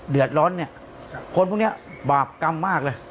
เดือดร้อนเนี่ยคนพวกนี้บาปกรรมมากเลย